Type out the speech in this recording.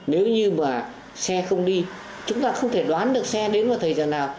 nếu như mà xe không đi chúng ta không thể đoán được xe đến vào thời giờ nào